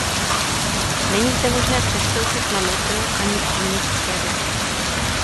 Není zde možné přestoupit na metro ani příměstské vlaky.